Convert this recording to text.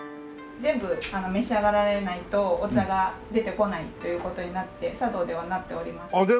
全部召し上がらないとお茶が出てこないという事になって茶道ではなっておりまして。